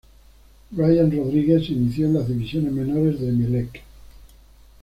Bryan Rodríguez se inició en las divisiones menores de Emelec.